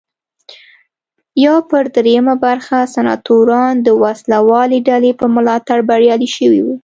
یو پر درېیمه برخه سناتوران د وسله والې ډلې په ملاتړ بریالي شوي وي.